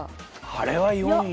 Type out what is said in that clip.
あれは４よ。